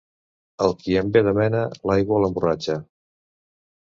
Al qui en ve de mena, l'aigua l'emborratxa.